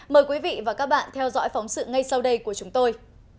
mời quý vị và các bạn theo dõi phóng sự ngay sau đây của chúng tôi